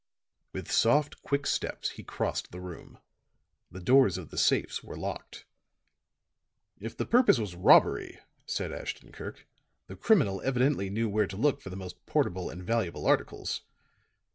With soft, quick steps he crossed the room. The doors of the safes were locked. "If the purpose was robbery," said Ashton Kirk, "the criminal evidently knew where to look for the most portable and valuable articles.